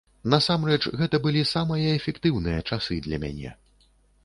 Насамрэч, гэта былі самыя эфектыўныя часы для мяне.